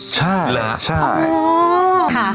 ใช่อ๋อ